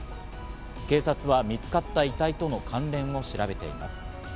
警察は見つかった遺体との関連を調べています。